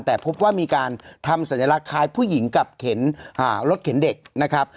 แต่พบว่ามีการทำสัญลักษณ์คล้ายผู้หญิงกับเข็นรถเข็นเด็กนะครับ